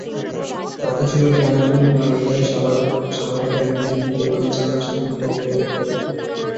কথা ছিল, ট্যানারির মালিকেরা সাভারে ট্যানারি নিয়ে কোরবানির চামড়া সেখানে প্রক্রিয়াজাত করবেন।